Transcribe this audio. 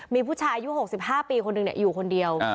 มีผู้ชายอายุ๖๕ปีคนหนึ่งอยู่คนเดียว